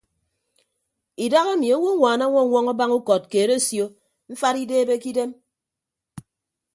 Idahaemi owoññwaan añwọñwọñ abañ ukọt keed asio mfat ideebe ke idem.